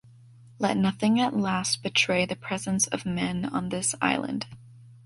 Let nothing at last betray the presence of men on this island!